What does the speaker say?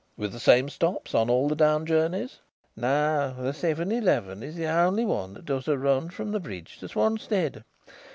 "With the same stops on all the down journeys?" "No. The seven eleven is the only one that does a run from the Bridge to Swanstead.